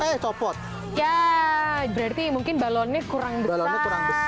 eh copot ya berarti mungkin balonnya kurang